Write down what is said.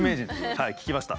はい聞きました。